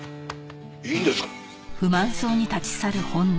いいんですか？